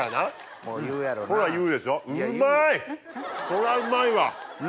そりゃうまいわ！